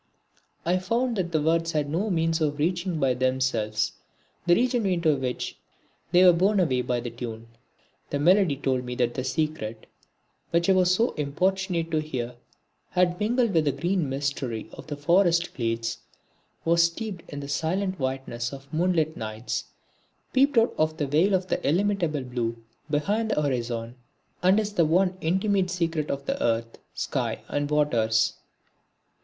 I found that the words had no means of reaching by themselves the region into which they were borne away by the tune. The melody told me that the secret, which I was so importunate to hear, had mingled with the green mystery of the forest glades, was steeped in the silent whiteness of moonlight nights, peeped out of the veil of the illimitable blue behind the horizon and is the one intimate secret of Earth, Sky and Waters.